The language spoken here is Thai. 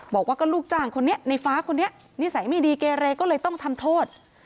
บอกว่าก็ลูกจ้างคนนี้ในฟ้าคนนี้นิสัยไม่ดีเกเรก็เลยต้องทำโทษ